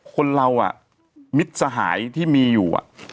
คนเรามิตรสหายที่มีอยู่